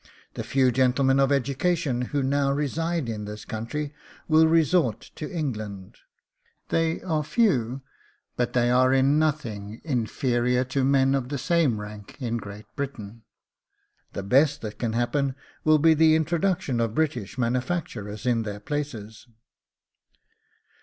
The few gentlemen of education who now reside in this country will resort to England. They are few, but they are in nothing inferior to men of the same rank in Great Britain. The best that can happen will be the introduction of British manufacturers in their places.